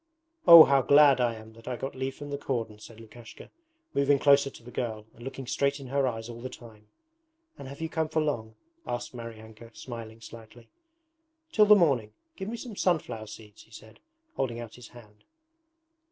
'Oh, how glad I am that I got leave from the cordon!' said Lukashka, moving closer to the girl and looking straight in her eyes all the time. 'And have you come for long?' asked Maryanka, smiling slightly. 'Till the morning. Give me some sunflower seeds,' he said, holding out his hand.